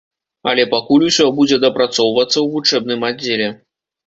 Але пакуль усё будзе дапрацоўвацца ў вучэбным аддзеле.